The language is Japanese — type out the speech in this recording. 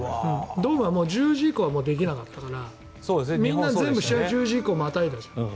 ドームは１０時以降はできなかったから試合は全部１０時をまたいだじゃない。